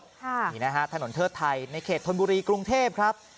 ค่ะนี่นะฮะถนนเทิดไทยในเขตธนบุรีกรุงเทพครับ